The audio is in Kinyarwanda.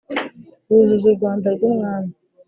wuzuza urwanda rw umwami